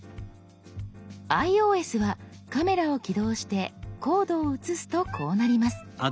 ｉＯＳはカメラを起動してコードを写すとこうなります。